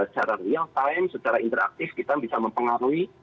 secara real time secara interaktif kita bisa mempengaruhi